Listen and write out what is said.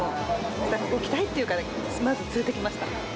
ここに来たいっていうから、まず連れてきました。